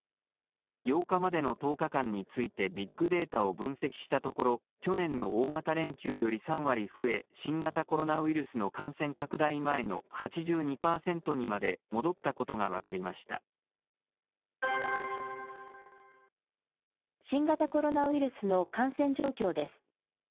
８日までの１０日間についてビッグデータを分析したところ、去年の大型連休より３割増え、新型コロナウイルスの感染拡大前の８２％にまで戻ったことが分か新型コロナウイルスの感染状況です。